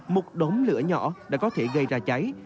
một đống lửa nhỏ đã có thể gây ra cháy